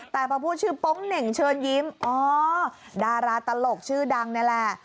แต่พอพูดชื่อโป๊งเหน่งเชิญยิ้มอ๋อดาราตลกชื่อดังนี่แหละ